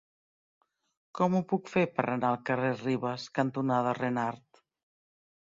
Com ho puc fer per anar al carrer Ribes cantonada Renart?